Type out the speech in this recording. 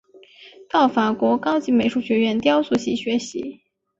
到法国高级美术学院雕塑系学习。